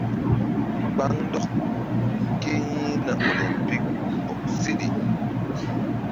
Kpaŋndɔk ke yi̧hna olimpik bɔk seɗe.